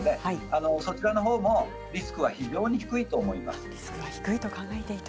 そちらもリスクは非常に低いと思います。